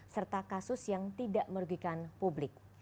serta kasus yang tidak merugikan publik